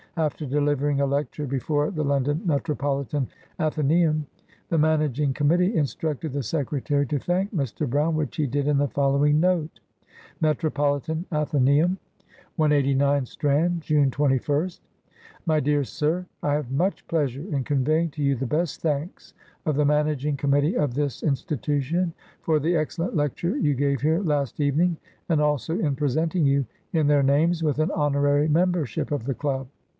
After delivering a lec ture before the London Metropolitan Athenaeum, the Managing Committee instructed the Secretary to thank Mr. Brown, which he did in the following note :— '•Metropolitan Athen^um, \ 189 Strand, June 21st. 1 "My Dear Sir, — I have much pleasure in con veying to you the best thanks of the Managing Com mittee of this institution for the excellent lecture you gave here last evening, and also in presenting you, in their names, with an honorary membership of the Club.